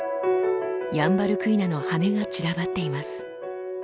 ヤンバルクイナの羽根が散らばっています。